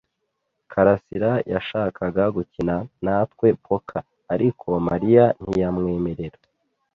karasira yashakaga gukina natwe poker, ariko Mariya ntiyamwemerera.